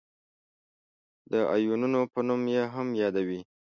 د آیونونو په نوم یې هم یادوي.